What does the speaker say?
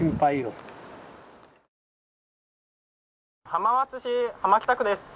浜松市浜北区です。